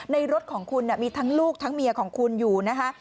รถของคุณมีทั้งลูกทั้งเมียของคุณอยู่นะคะ